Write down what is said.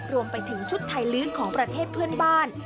รวมไปถึงชุดไทยลื้อของประเทศเพื่อนบ้าน